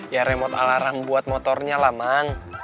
ya remote alarm buat motornya lah bang